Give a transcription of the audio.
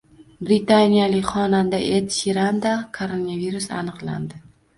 Britaniyalik xonanda Ed Shiranda koronavirus aniqlandi